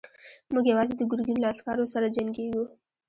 موږ يواځې د ګرګين له عسکرو سره جنګېږو.